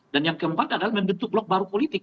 dan yang keempat adalah membentuk blok baru politik